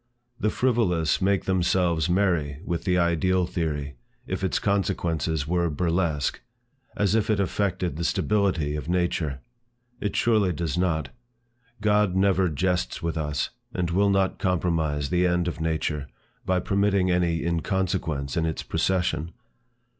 The frivolous make themselves merry with the Ideal theory, if its consequences were burlesque; as if it affected the stability of nature. It surely does not. God never jests with us, and will not compromise the end of nature, by permitting any inconsequence in its procession.